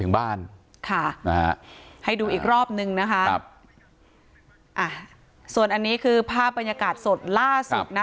ถึงบ้านค่ะนะฮะให้ดูอีกรอบนึงนะคะส่วนอันนี้คือภาพบรรยากาศสดล่าสุดนะ